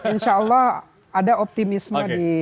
insya allah ada optimisme di